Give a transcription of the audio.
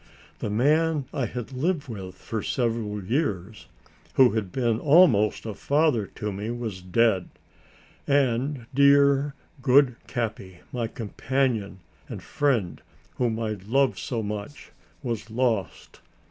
The man I had lived with for several years, who had been almost a father to me, was dead, and dear, good Capi, my companion and friend, whom I loved so much, was lost.